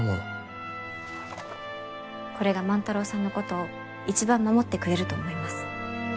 これが万太郎さんのことを一番守ってくれると思います。